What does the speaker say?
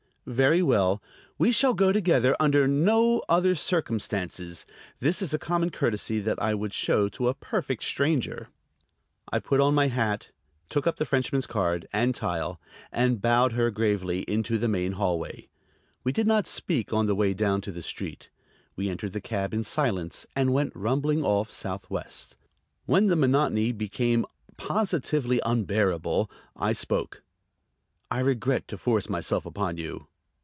"Very well; we shall go together; under no other circumstances. This is a common courtesy that I would show to a perfect stranger." I put on my hat, took up the Frenchman's card and tile, and bowed her gravely into the main hallway. We did not speak on the way down to the street. We entered the cab in silence, and went rumbling off southwest. When the monotony became positively unbearable I spoke. "I regret to force myself upon you."